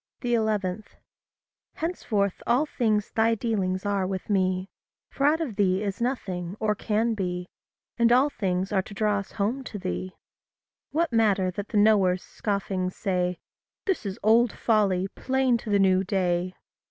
11. Henceforth all things thy dealings are with me For out of thee is nothing, or can be, And all things are to draw us home to thee. What matter that the knowers scoffing say, "This is old folly, plain to the new day"?